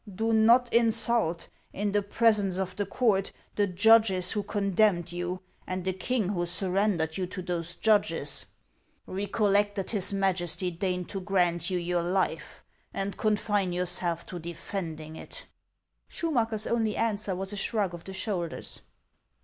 Do not insult, in the presence of the court, the judges who condemned you, and the king who sur rendered you to those judges. .Recollect that his Majesty deigned to grant you your life, and confine yourself to defending it." Schumacker's only answer was a shrug of the shoulders.